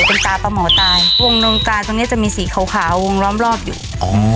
เป็นตาพระหมอตายวงตรงกลางตรงเนี้ยจะมีสีขาววงล้อมรอบอยู่โอ้